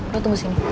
lo tunggu sini